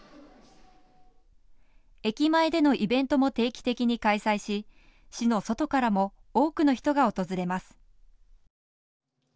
駅前でのイベントも定期的に開催し、市の外からも多くの人が訪れます。